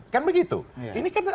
kan begitu ini kan